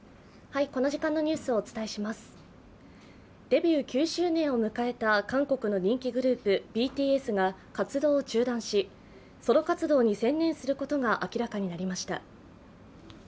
デビュー９周年を迎えた韓国の人気グループ・ＢＴＳが活動を中断し、ソロ活動に専念することが明らかになりました。